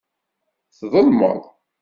Tḍelmeḍ.